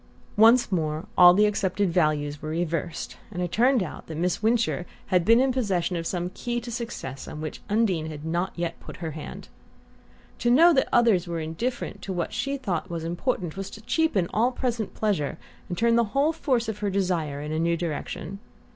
Once more all the accepted values were reversed, and it turned out that Miss Wincher had been in possession of some key to success on which Undine had not yet put her hand. To know that others were indifferent to what she had thought important was to cheapen all present pleasure and turn the whole force of her desires in a new direction.